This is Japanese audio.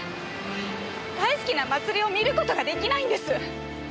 大好きな祭りを見る事が出来ないんです！